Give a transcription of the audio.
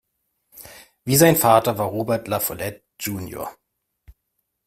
Wie sein Vater war Robert La Follette jr.